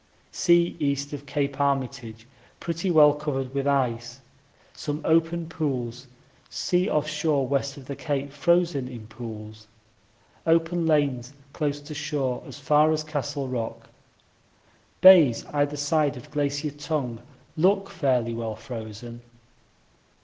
Sea east of Cape Armitage pretty well covered with ice; some open pools sea off shore west of the Cape frozen in pools, open lanes close to shore as far as Castle Rock. Bays either side of Glacier Tongue look fairly well frozen.